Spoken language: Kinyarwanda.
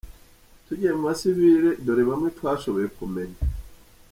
Tugiye mu basivire dore bamwe twashoboye kumenya: